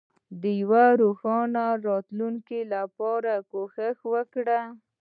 د یوې روښانه راتلونکې لپاره کوښښ وکړئ.